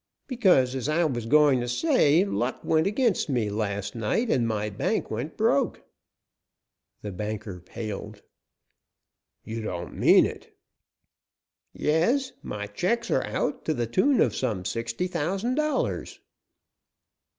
"Because, as I was going to say, luck went against me last night and my bank went broke." The banker paled. "You don't mean it?" "Yes. My checks are out to the tune of some sixty thousand dollars."